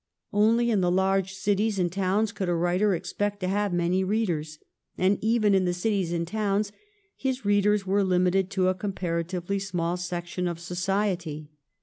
Only in the large cities and towns could a writer expect to have many readers, and even in the cities and towns his readers were limited to a comparatively small section of society.